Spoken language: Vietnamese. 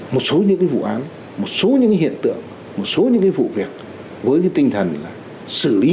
một số những cái vụ án một số những cái hiện tượng một số những cái vụ việc với cái tinh thần là xử lý